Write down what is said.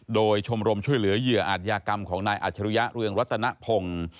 โดยชมรมช่วยเหลือเหยื่ออาจยากรรมของนายอัจฉริยะเรืองรัตนพงศ์